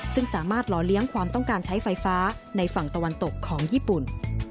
ซึ่งสามารถหล่อเลี้ยงความต้องการใช้ไฟฟ้าในฝั่งตะวันตกของญี่ปุ่น